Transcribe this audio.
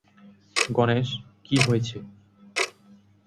গণেশ, কি হয়েছে?